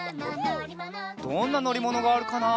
どんなのりものがあるかな？